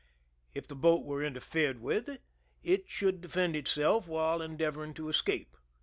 If the boat were interfered with, it should defend itself while endeavoring to escape.